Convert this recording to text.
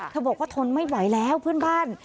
บอกว่าทนไม่ไหวแล้วเพื่อนบ้าน